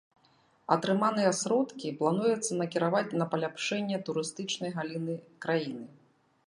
Атрыманыя сродкі плануецца накіраваць на паляпшэнне турыстычнай галіны краіны.